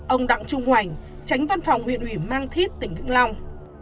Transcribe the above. bốn ông đặng trung hoành tránh văn phòng huyện ủy mang thít tỉnh vĩnh long